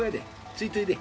ついといで。